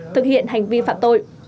thực hiện hành vi phạm tội